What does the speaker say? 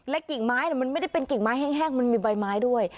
กิ่งไม้มันไม่ได้เป็นกิ่งไม้แห้งมันมีใบไม้ด้วย